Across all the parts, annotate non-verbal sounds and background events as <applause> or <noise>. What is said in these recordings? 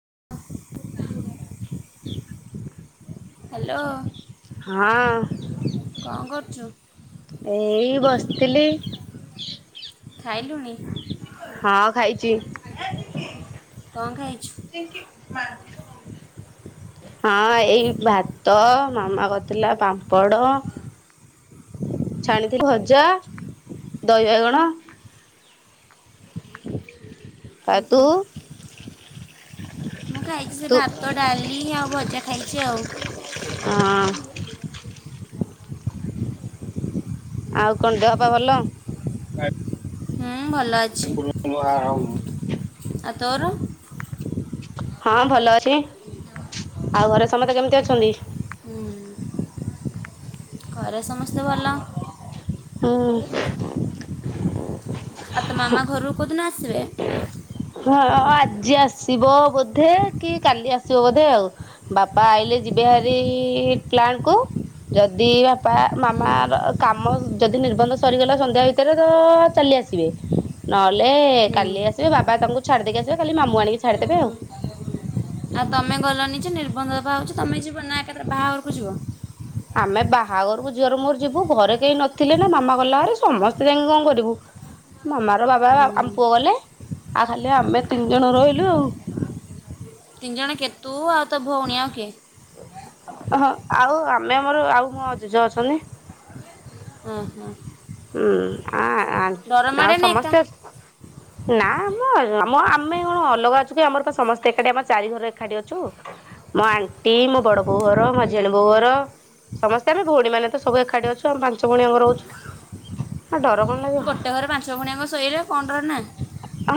<inaudible> <inaudible> Hello. ହଁ। କରୁଛୁ ଏଇ ବସିଥିଲି। ଖାଇଲୁଣି? ହଁ ଖାଇଚି। କ'ଣ ଖାଇଛୁ ହଁ ଏଇ ଭାତ ମାମା କରିଥିଲା ପାମ୍ପଡ଼। ଛାଣିଥିଲି ଭଜା ଦହି ବାଇଗଣ। ଆ ତୁ? ମୁଁ ଖାଇଚି ସେ ତୁ ଭାତ, ଡାଲି ଆଉ ଭଜା ଖାଇଚି ଆଉ। ହଁ ଆଉ କଣ ଦେହ ପାଅ ଭଲ? ହୁଁ ଭଲ ଅଛି। ୱାଉ। ଆ ତୋର? ହଁ ଭଲ ଅଛି। ଆଉ ଘରେ ସମସ୍ତେ କେମିତି ଅଛନ୍ତି? ହୁଁ ଘରେ ସମସ୍ତେ ଭଲ। ହଁ। ଆଉ ତ ମାମା ଘରରୁ କଉଁଦିନ ଆସିବେ। ହଁ ଆଜି ଆସିବ ବୋଧେ କି କାଲି ଆସିବ ବୋଧେ ଆଉ। ବାପା ଆଇଲେ ଯିବେ ହରି ପ୍ଲାଣ୍ଟ କୁ ଯଦି ବାପା ହୁଁ ମାମାର କାମ ଯଦି ନିର୍ବନ୍ଧ ସରିଗଲା ସନ୍ଧ୍ୟା ଭିତରେ ତ ଚାଲି ଆସିବେ। ନହେଲେ ହୁଁ କାଲି ଆସିବେ। ବାପା ବାବା ତାଙ୍କୁ ଛାଡିଦେଇକି ଆସିବେ ଖାଲି ମାମୁ ଆଣିକି ଛାଡିଦେବେ ଆଉ। ଆଉ ତମେ ଗଲନି ଯେ ନିର୍ବନ୍ଧ ପା ହଉଚି, ତମେ ଯିବ ନା ଏକାଥରେ ବାହାଘରକୁ ଯିବ। ଆମେ ବାହାଘରକୁ ଝିଅର ମୋର ଯିବୁ। ଘରେ କେହି ନଥିଲେ ନା ମାମା ଗଲା ହରି, ସମସ୍ତେ ଯାଇକି କଣ କରିବୁ? ମାମାର ବାବା ହୁଁ ଆମ ପୁଅ ଗଲେ ଆଉ ଖାଲି ଆମେ ତିନି ଜଣ ରହିଲୁ ଆଉ। ତିନି ଜଣ କେତୁ ଆଉ ତୁ ଆଉ ତୋ ଭଉଣୀ ଆଉ କିଏ? ହଁ ଆଉ ଆମେ ଆମର ଆଉ ମୋ ଜେଜ ଅଛନ୍ତି। ଓ ହୋ। ହୁଁ ଆ ଆ ଆଉ ମାଡ଼େନି ଏକା ସମସ୍ତେ ନା ଆମ ଆମ ଆମେ କଣ ଅଲଗା ଅଛୁ କି? ଆମର ସମସ୍ତେ ଏକାଠି ଆମ ଚାରି ଘର ଏକାଠି ଅଛୁ। ମୋ ଆଣ୍ଟି ମୋ ବଡ ବୋଉ ଘର। ମୋ ହୁଁ <unintelligible> ବଉ ହୁଁ ଘର। ସମସ୍ତେ ଆମେ ଭଉଣୀ ମାନେ ତ ସବୁ ଏକାଠି ଅଛୁ। ଆମ ପାଞ୍ଚ ଭଉଣୀ ଆମର ଅଛୁ। ହ ଡର। ଗୋଟେ ଘରେ ପାଞ୍ଚ ଭଉଣୀ ଆମେ ଶୋଇଲେ କଣ ଡର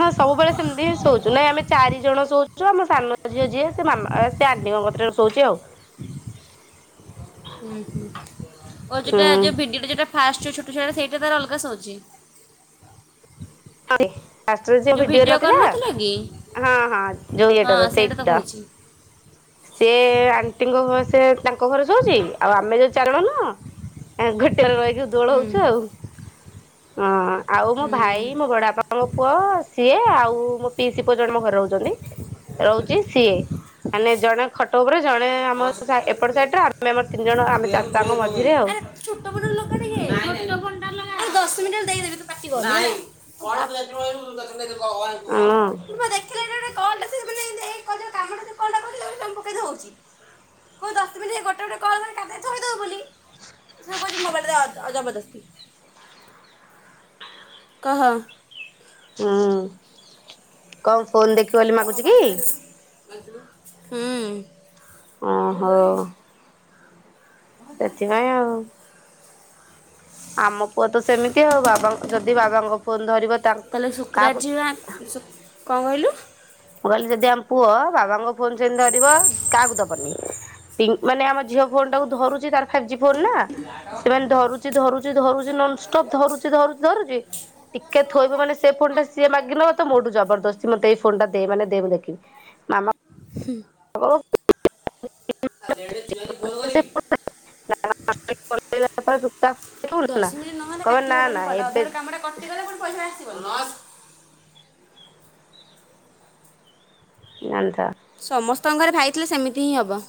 ହଁ ସବୁବେଳେ ସେମିତି ଶୋଉଛୁ ନାଇଁ ଆମେ ଚାରି ଜଣ ଶୋଉଛୁ ଆମ ସାନ ଝିଅ ିଅ ସେ ମାମା ସେ ଆଣ୍ଟିଙ୍କ କଥା ଶୋଉଛି ଆଉ। ହୁଁ ହୁଁ ଓ ଯେଟା ହୁଁ ଯଉ ଭିଡିଓା ଯେଟା ଫାଷ୍ଟୁ ଛୋଟ ଛୋଟ ଥିଏଟର ତର ଅଲଗା ସହୁଛି। ଆରେ ଯେଉଁ ଭିଡି ଭିଡ଼ିଓ ର ଥିଲା କରିନଥିଲା କି ହଁ ହଁ ଯୋଉ ଇଟାର ହଁ ସେଇଟା ସେଇି ତ କହୁଛି ସେି ଆଣ୍ଟିଙ୍କ ସେ ତାଙ୍କ ଘରେ ଶଉଛି ଆଉ ଆମେ ଯୋଉ ଚାରଣ ନହ ଘଟିଆରେ ରହି ଦୋଳଉଛ ଆଉ। ହୁଁ। ଆଉ ମୋ ହୁଁ ଭାଇ ତାପଙ୍କ ପୁଅ ସିଏ ଆଉ ମୋ ପିଇ ସ ପୁଅ ଜଣେ ମୋ ଘରେ ରହୁଛନ୍ତି ରହୁଛି ସିଏ ମାନେ ଜଣେ ଖଟ ଉପରେ ଜଣେ ଆମ ଏପଟ ସାଇଟରେ ଛୋଟ ବଟ ଲୋକ ଦଶ ମିନିଟ ଦେଇଦେବି ତୁଟି ୁହ ହଁ ଦେଖିଲ ଗଟେ କ କ ହଉ କୋଶିନ ଗୋଟେ ଗ <unintelligible> ଥୋଇଦବ ବୋଲି ସେଥିରେ କହୁଚି ମୋବାଇଲ୍ ଟା ଜବରଦସ୍ତି କହ ହୁଁ କଣ? ଫୋନ୍ ଦେଖି ବୋଲି ମାଗୁଛି କି ଆଜୁ ଓହୋ ହୁଁ। ସେଥିପାଇଁ ଆମ ପୁଅ ତ ସେମିତି ଆଉ ବାବା ଯଦି ବାବାଙ୍କ ଫୋନ ଧରିବ ତା ତାହେଲେ କାହାକୁ ଶୁକ୍ରାଚାର୍ଯ୍ୟ ଶୁ- କଣ କହିଲୁ ମୁଁ କହିଲି ଯଦି ଆ ପୁଅ ବାବାଙ୍କ ଫୋନ ସେମିତି ଧରିବ କାହାକୁ ଦବନି ମାନେ ଆମ ଝିଅ ଫୋନ ଟାକୁ ଧରୁଛି ତ ଫ ଜ ଫୋନ ନା ସେ ମାନେ ଧରୁ ଧରୁଛି ଧରୁଛି ଧରୁଛି ଧରୁଛି ଟିକେ ଥୋଇବ ମାନେ ସେ ଫୋନ ଟା ସିଏ ମାଗ ନବ ତ ମୋଠୁ ଜବରଦସ୍ତି ମତେ ଏଇ ଫୋନ ଟା ମାନେୁ ଦେଖିବି ମାମା ତା <inaudible> ଦଶ ମିନିଟ୍ ନହେଲେ କାଟି ହବନି ଭ ଏବେ ଅଧାର କାମଟା କଟିଗଲେ ପୁଣି ପଇସା ଆସିବନି। ଜାଣିଥା ସମସ୍ତ ଘରେ ଭାଇଥିଲେ ସେମିତି ହିଁ ହେବ।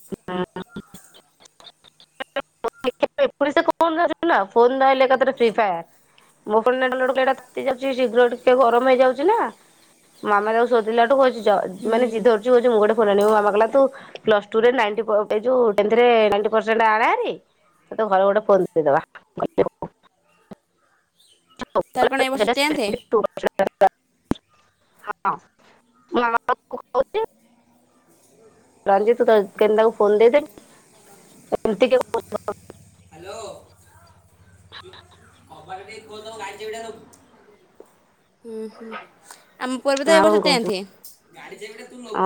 ହଁ। ଣି ଫୋଲେ ଏକାରେ ଫି ଫାୟାର ମୋ ଫୋଡାଉୋ କଟାତି ଯାଉଛି ଶୀଘ୍ର ଟିକେ ଗରମ ହେଇଯାଉଛି ନା ମାମା ତାକୁ ସୋଧିଲାଠୁ ଅ ମାନେ ଯି ଧରୁଛିୁୋଉ ମୁଡ ମାମା କହିଲା ତୁ ପ୍ଲସ ଟୁ ରେ ହେ ଯୋଉ ଟେନ୍ଥ ରେ ନାଇଣ୍ଟି ପର୍ସେଣ୍ଟେଜ ଆନେ ହେରି ସେତ ଘରେ ଗୋଟେ ପହଞ୍ଚେଇଦବା। ତାର କଣ ଏ ବର୍ଷ ଟେନ୍ଥ ହଁଛି ରଞ୍ଜି ତୁ କେମି ତାକୁ ଫୋନ ଦେଇଦେବି ଏତି ହୁଁ ହୁଁ। ଆମ ପୁଅ ର ତ ଏ ଆଉ ବର୍ଷ କଣ କହୁଛୁ ଟେନ୍ଥ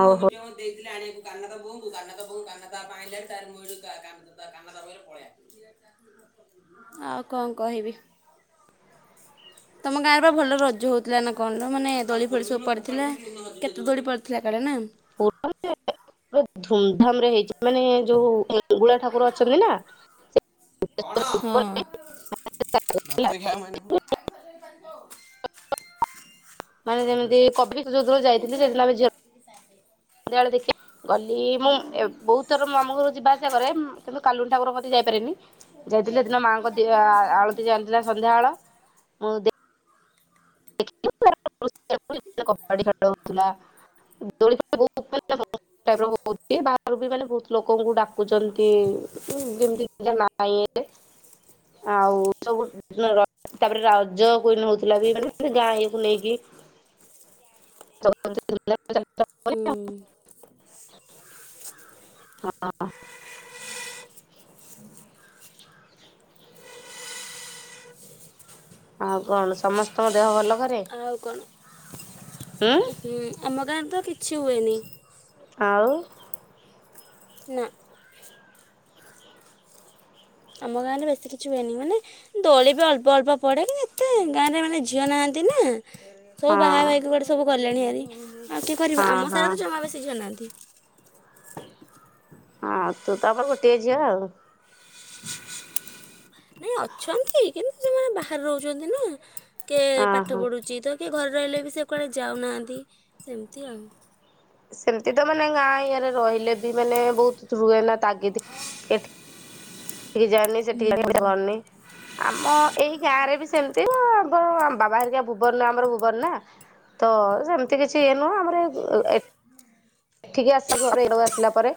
ଓହୋ। ଆଉ କଣ କହିବି ତମ ଗାଁରେ ବା ଭଲ ରଜ ହଉଥିଲା ନା କଣ ର ମାନେ ଦୋଳି ଫୋଳି ସବୁ ପଡିଥିଲା କେତେ ଦୋଳି ପଡିଥିଲା କାଡେ ନା <unintelligible> ଧୁମ୍ ରେ ହେଇ ମାନେ ଯୋଉ ଗୁଳା ଠାକୁର ଅଛନ୍ତି ନା ଏ ହଁ <unintelligible> ମାନେ ଯେମିତି କଫିକ୍ ଯୋଉଦିନ ଯାଇଥିଲି ସେଦିନ ଆ ଝିଅ ସେତେବେଳେ ଦେଖିେ ଗଲି ମୁଁ ବହୁତ ଥର ଆମ ଘରୁ ଯିବା ଆସିବା କରେ କିନ୍ତୁ କାଲୁନ ଠାକୁର କତି ଯାଇପାରେନି। ଯାଇଥିଲେ ସେ ଦିନ ମାଆଙ୍କ ଦି ଆଳତି ଜାଣିଥିଲା ସନ୍ଧ୍ୟା ଆଳ ମୁଁ ଦେ <unintelligible> <unintelligible> କବାଡି ଖେଳଉଥିଲା। ଦୋଳି ବାନଛି ବାହ ବି ମାନେ ବହୁତ ଲୋକଙ୍କୁ ଡାକୁଛନ୍ତି ଯେମତି ଆଉ ସବୁ ତାପରେ ରଜ କଇନ ହଉଥିଲା ବି ମାନେ ସେ ଗାଁ ଇଏ କୁ ନେଇକି <unintelligible> ହୁଁ। ହଁ। ଆଉ କଣ ସମସ୍ତଙ୍କ ଦେହ ଭଲ। ଘରେ ଆଉ କଣ? ଉଁ ହୁଁ ଆମକ ତ କିଛି ହୁଏନି। ଆଉ ନା। ଆମ ଗାଁରେ ବେଶୀ କିଛି ହୁଏନି ମାନେ ଦୋଳି ବି ଅଳ୍ପ ଅଳ୍ପ ପଡ଼େ କି ଏତେ ଗାଁରେ ମାନେ ଝିଅ ନାହାନ୍ତି ନା। ସବୁ ବାହା ହଁ ଭ କ ବଡେ ସବୁ ଗଲେଣି ହାରି ଆଉ କିଏ କରିବ ହଁ ଆମ ସାରା ହଁ। ତ ଜମା ବେଶୀ ନାହାନ୍ତି। <inaudible> ହଁ ତୁ ତ ଆମର ଗୋଟେ ଝିଅ ଆଉ। ନାଇଁ ଅଛନ୍ତି କିନ୍ତୁ ସେମାନେ ବାହାରେ ରହୁଚନ୍ତି ନା କିଏ ଅ ପାଠ ହଁ। ପଢୁଚ ତ କି ଘରେ ରହିଲେ ବି ସେ କୁଆଡ଼େ ଯାଉନାହାନ୍ତି ସେମିତି ଆଉ। ସେମିତି ତ ମାନେ ଗାଁ ଇଏରେ ରହିଲେ ବି ମାନେ ବହୁତ ରୁ ନା ତାଗିଦ ଏଠ କି ଯାଏନି ହୁଁ ସେଠିକ କରନି ଆମ ଏଇ ଗାଁ ରେ ବି ସେମି ଆମର ବାବା ହେରିକା ଭୁବର୍ ଆମର ଭୁବର୍ଣ ତ ସେମିତି କିଛି ଇଏ ନୁହଁ ଆମର ଏଇ ଏ ଏଠିକି ଆସ ଘରେ ଏକୁ ଆସିଲା ପରେ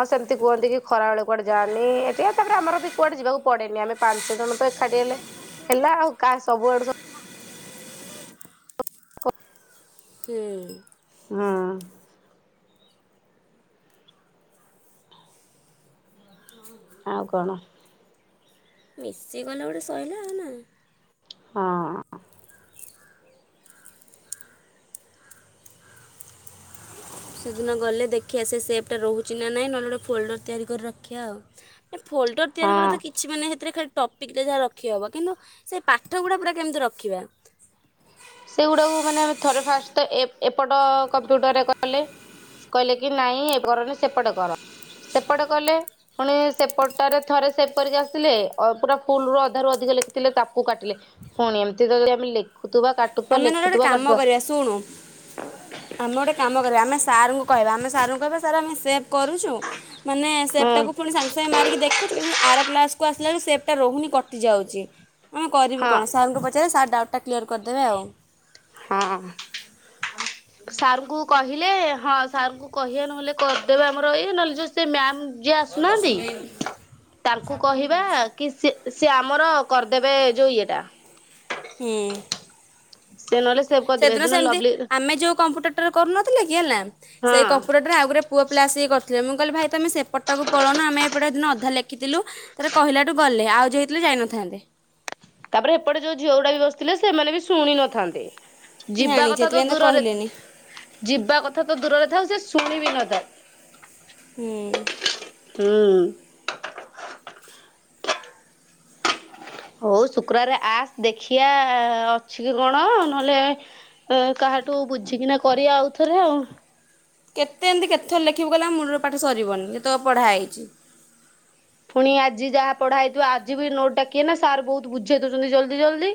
ଆଉ ସେମିତି କୁହନ୍ତି କି ଖରା ବେଳେ କୁଆଡେ ଯାଆାନି ଏଠି ତାପରେ ଆମର ବି କୁଆଡେ ଯିବାକୁ ପଡେନି ଆମେ ପାଞ୍ଚ ଜଣ ତ ଏକାଠି ହେଲେ ହେଲା ଆଉ କାହା ସବୁଆଡୁ ସବୁ <inaudible> ହୁଁ ହୁଁ। ହଁ। ଆଉ କଣ? ମିଶିଗଲେ ଗୋଟେ ସଇଲା ଆଉ ନା। ହଁ। ସେଦିନ ଗଲେ ଦେଖିବା ସେ ସେପ୍ଟା ରହୁଛି ନା ନାଇଁ ନହେଲେ ଗୋଟେ ଫୋଲ୍ଡର ତିଆରି କରି ରଖିବା ଆଉ। ଫୋଲ୍ଡର ତିଆରି କରିବା ହଁ। ତ କିଛି ମାନେ ସେଥିରେ ଖ ଟପିକ୍ରେ ଯାହା ରଖିହେବ କିନ୍ତୁ ସେ ପାଠ ଗୁଡ଼ା ପୁରା କେମିତି ରଖିବା। ସେଗୁଡାକୁ ମାନ ଥରେ ଫାଷ୍ଟ ତ ଏପଟ କମ୍ପ୍ୟୁଟରରେ କଲେ କହିଲେ କି ନାଇଁ ଏ କରନି ସେପଟ କର ସେପଟ କଲେ ପୁଣି ସେପଟରେ ଥରେ ସେ କରିକି ଆସିଲେ ପୁରା ଫୁଲ ରୁ ଅଧାରୁୁ ଅଧିକ ଲେଖିଥିଲେ ତାକୁ କାଟିଲେ ପୁଣି ଏମିତି କାଟୁଥିବା ଆମେ ନହେଲେ ଗୋଟେ ଲେଖୁଥିବା କାମ କାଟୁଥିବା କରିବା ଶୁଣୁ ଆମେ ଗୋଟେ କାମ କରିବା ଆମେ ସାର କହିବା ଆମେ ସାରଙ୍କୁ କହିବା ସାର୍ ଆମେ ସେଭ୍ କରୁଛୁ ମାନେ ସେଭ୍ ହୁଁ ଟାକୁ ପୁଣି ସାଙ୍ଗେ ସାଙ୍ଗେ ମାରିକି ଦେଖୁଛୁ କିନ୍ତୁ ଆର କ୍ଲାସ କୁ ଆସିଲାବେଳକୁ ସେପ୍ ଟା ରହୁନି କଟିଯାଉଛି। ଆ କରିବୁ ହଁ କଣ ସାରଙ୍କୁ ପଚାରେ ସାର ଡା କ୍ଲିୟର କରି ଦେବେ ଆଉ ହଁ ସାରଙ୍କୁ କହିଲେ ହଁ ସାରଙ୍କୁ କହିବା ନହେଲେ କରିଦେବେ ଆମର ଇ ନହେଲେ ସେ ମ୍ୟାମ ଯିଏ ଆସୁନାହାନ୍ତି ତାଙ୍କୁ କହିବା କି ସେ ସେ ଆମର, କରିଦେବେ ଯୋଉ ଇଏଟା, ହୁଁ ସେ ନ ହେଲେ, ସେଦିନ ସେମିତି ଆମେ ଯୋଉ କମ୍ପ୍ୟୁଟର ଟାରେ କରୁନ ନଥିଲେକି ହେଲା। ହଁ ସେଇ କମ୍ପୁଟରଟରେ ଆଉଗୁରେ ରେ ପୁଅ ପିଲା ଆସିକି କରିଥିଲେ ମୁଁ କହିଲି ଭାଇ ତମେ ସେପଟାକୁ ପଳଉୁନ ଆମେ ଏପଟେ ସେଦିନ ଅଧା ଲେଖ୍ ଥିଲୁ ତାରେ କହିଲାଠୁ ଗଲେ, ଆଉ ଯେ ହେଇଥିଲେ ଯାଇନଥାନ୍ତେ। ତାପରେ ହେପଟେ ଯୋଉ ଝିଅଗୁଡା ବି ବସିଥିଲେ ସେମାନେ ବି ଶୁଣି ନଥାନ୍ତେ। ଯିବା ଜାଣିଛି କଥା ତ ସେଥିପାଇଁ ଦୂରରେ କହିଲେନି ଯିବା କଥା ତ ଦୂରରେ ଥାଉ ସେ ଫୁଣି ବିନୋଦ ହୁଁ ହୁଁ ହଉ ଶୁକ୍ରାବାରେ ଆସ ଦେଖିବା ଅଛି କି କଣ ନହେଲେ କାହାଠୁ ବୁଝିକିନା କରିବା ଆଉଥରେ ଆଉ କେତେ ଏମିତି କେତଥର ଲେଖିବୁ ଗଲେ ମୁୂଳରୁ ପାଠ ସରିବନି ଯେତେକ ପଢ଼ା ହେଇଛି ପୁଣି ଆଜି ଯାହା ପଢା ହେଇଥିବ ଆଜି ବି ନୋଟ ଡାକିଏ ନା ସାର୍ ବହୁତ ବୁଝେଇ ଦଉଛନ୍ତି ଜଲଦି ଜଲଦି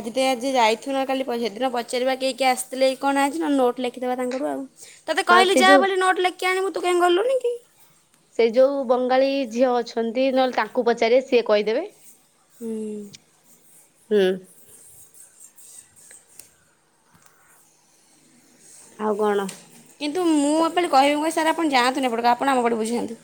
ଆଜି ତ ଆଜି ଯାଇଥୁ ନା କାଲି ସେଦିନ ପଚାରିବା କିଏ କିଏ ଆସିଥିଲେ କଣ ଆଜି ନ ନୋଟ୍ ଲେଖିଦେବା ତାଙ୍କଠୁ ଆଉ ତତେ ହଁ ସେ କହିଲି ଯା ଯୋଉ ବୋଲି ନୋଟ ଲେଖି ଆଣିବୁ ତୁ କାଇଁ ଗଲୁନି କି? ସେ ଯୋଉ ବଙ୍ଗାଳୀ ଝିଅ ଅଛନ୍ତି ନହେଲେ ତାଙ୍କୁ ପଚାରିବେ ସିଏ କହିଦେବେ। ହୁଁ ହୁଁ ଆଉ କଣ? କିନ୍ତୁ ମୁଁ ତ ଏପଟେ କହିବି ମୁଁ କହିବି ସାର୍ ଆପଣ ଯାଆନ୍ତୁନି ଏପଟ ଆପଣ ଆମ ପଟେ ବୁଝାନ୍ତୁ।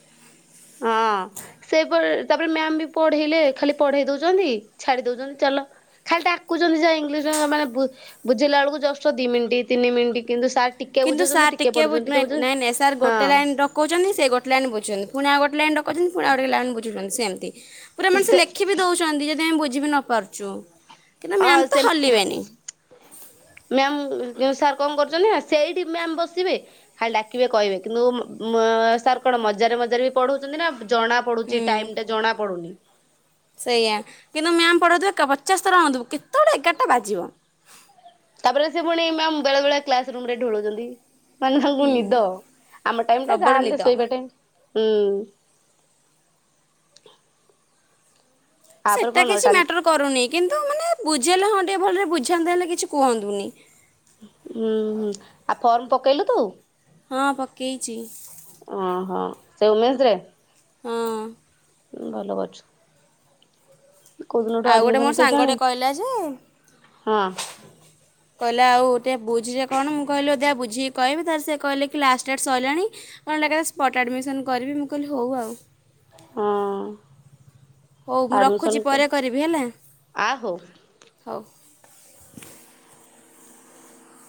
ହଁ ସେପ ତାପରେ ମ୍ୟାାମ ବି ପଢେଇଲେ ଖାଲି ପଢେଇ ଦଉଛନ୍ତି ଛାଡି ଦଉଛନ୍ତି ଚାଲ ଖାଲି ଡାକୁଛନ୍ତି ଯାହା ଇଂଲିଶ ମାନେ ବୁଝେଇଲା ବେଳକୁ ଜଷ୍ଟ ଦି ମିନିଟ୍ ତିନି ମିନିଟ୍ କିନ୍ତୁ ସାର କିନ୍ତୁ ସାର୍ ଟିକେ ବୁ ନାଇଁ ନାଇଁ ନାଇଁ ସାର୍ ଗୋଟେ ହଁ ଲାଇନ ଡକଉଛନ୍ତି ସେ ଗୋଟେ ଲାଇନ୍ ବୁଝୁଛନ୍ତି ପୁଣି ଗୋଟେ ଲାଇନ ଡାକୁଛନ୍ତି ପୁଣି ଆଉଗୋଟେ ଲାଇନ୍ ବୁଝଉଛନ୍ତି ସେମିତି ପୁରା ମାନେ ସେ ଲେଖି ବି ଦଉଛନ୍ତି ଯଦି ଆମେ ବୁଝ ଜି ବି ନ ପାରଛୁ। ଆ ସେ ଉମ ମ୍ୟାମ କେଉଁ ସାର୍ କଣ କରୁଛନ୍ତି ନା ସେଇଠି ମ୍ୟାମ୍ ବସିବେ ଖାଲି ଡାକିବେ କହିବେ କିନ୍ତୁ ଉମ୍ ସାର୍ କଣ ମଜାରେ ମଜାରେବି ପଢଉଛନ୍ତି ନା ଜଣା ପଡୁଛି ହୁଁ ଟାଇମ ଟା ଜଣା ପଡୁନି ସେଇଆ କିନ୍ତୁ ମ୍ୟାମ୍ ପଢଉଥିବ ଏକା ପଚାଶ ଥର ଅନଥିବୁ କେତେବେଳେ ଏଗାରଟା ବାଜିବ। ତାପରେ ସେ ପୁଣି ମ୍ୟାମ୍ ବେଳେ ବେଳେ କ୍ଲାସ ରୁମ ରେ ଢୋଳଉଛନ୍ତି ମାନେ ତାଙ୍କୁ ନିଦ ଆମ ଟାଇମ୍ ଟା ପ୍ରବଳ ନିଦ ଯାହାହେଲେ ଶୋଇବା ଟାଇମ୍ ହୁଁ ତାପରେ ସେଟା କଣ କିଛି ଟାଲି ମ୍ୟାଟର କରୁନି କିନ୍ତୁ ମାନେ ବୁ ବୁଝି ହେଲେ ହଁ ଟିକେ ଭଲରେ ବୁଝାନ୍ତେ ହେଲେ କିଛି କୁହନ୍ତୁନି। ଉମ୍ ହୁଁ ଆଉ ଫର୍ମ ପକେଇଲୁ ତୁ? ହଁ ପକେଇଛି। ଓହୋ ସେ ଉମେଶସ ରେ ହଁ ଭଲ ବାଛୁ, ଆଉ ଗୋଟେ ମୋ କେଜାଣି ସାଙ୍ଗଟେ କହିଲା ଯେ ହଁ କହିଲା ଆଉ ଟିକେ ବୁଝିଲେ କଣ ମୁଁ କହିଲି ଦେ ବୁଝିକି କହିବି ତାର ସେ କହିଲେ କି ଲାଷ୍ଟ ଡେଟ୍ ସରିଲାଣି କନଟା ଏକା ସ୍ପଟ୍ ଆଡ଼ମିସନ୍ କରିବି ମୁଁ କହିଲି ହଉ ଆଉ। ହଁ ହଉ ମୁଁ ଆଡମିସନ ରଖୁଛି କ ପରେ କରିବି ହେଲା ଆ ହଉ। ହଉ। <unintelligible>